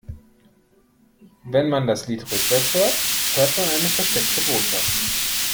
Wenn man das Lied rückwärts hört, hört man eine versteckte Botschaft.